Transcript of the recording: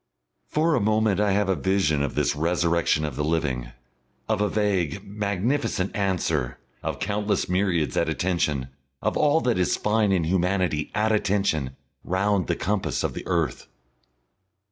For a moment I have a vision of this resurrection of the living, of a vague, magnificent answer, of countless myriads at attention, of all that is fine in humanity at attention, round the compass of the earth.